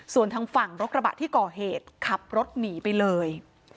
ส่วนทางฝั่งรถกระบะที่ก่อเหตุขับรถหนีไปเลย